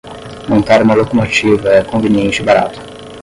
Montar uma locomotiva é conveniente e barato